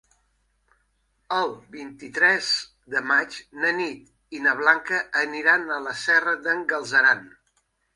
El vint-i-tres de maig na Nit i na Blanca aniran a la Serra d'en Galceran.